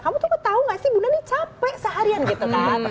kamu tuh tau gak sih bunda nih capek seharian gitu kan